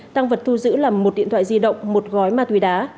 tăng vật thu giữ là một điện thoại di động một gói ma túy đá